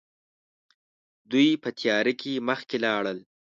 دوی په تياره کې مخکې لاړل.